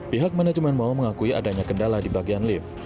pihak manajemen mal mengakui adanya kendala di bagian lift